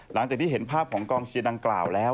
หลังจากที่เห็นภาพของกองเชียร์ดังกล่าวแล้ว